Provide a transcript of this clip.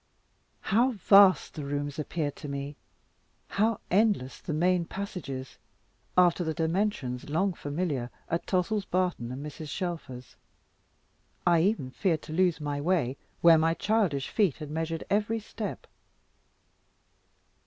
How vast the rooms appeared to me, how endless the main passages, after the dimensions long familiar at Tossil's Barton, and Mrs. Shelfer's. I even feared to lose the way, where my childish feet had measured every step.